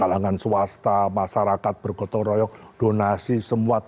kalangan swasta masyarakat bergotong royong donasi semua